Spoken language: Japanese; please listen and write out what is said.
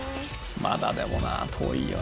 「まだでもな遠いよな。